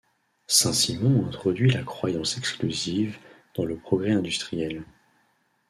Saint-Simon introduit la croyance exclusive dans le progrès industriel.